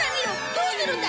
どうするんだ！